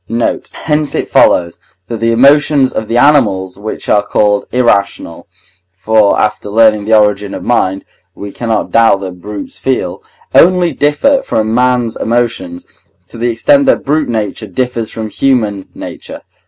Note. Hence it follows, that the emotions of the animals which are called irrational (for after learning the origin of mind we cannot doubt that brutes feel) only differ from man's emotions, to the extent that brute nature differs from human nature.